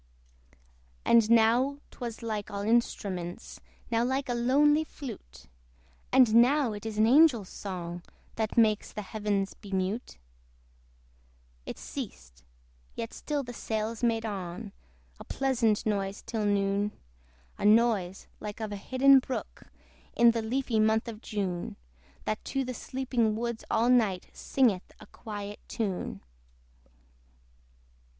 And now 'twas like all instruments, Now like a lonely flute; And now it is an angel's song, That makes the Heavens be mute. It ceased; yet still the sails made on A pleasant noise till noon, A noise like of a hidden brook In the leafy month of June, That to the sleeping woods all night Singeth a quiet tune.